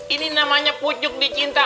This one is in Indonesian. ini namanya pucuk di cinta